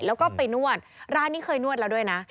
แล้วก็ไปนวดร้านนี้เคยนวดแล้วด้วยนะ